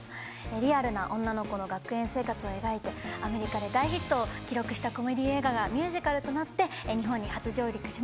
リアルな女の子の学園生活を描いてアメリカで大ヒットを記録したコメディー映画がミュージカルとなって日本に初上陸します。